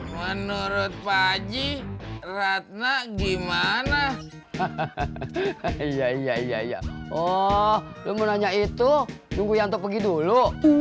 menurut pagi ratna gimana hahaha iya iya iya iya oh lu menanya itu tunggu yang pergi dulu